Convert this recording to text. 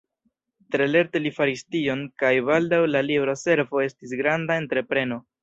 Tre lerte li faris tion, kaj baldaŭ la libro-servo estis granda entrepreno.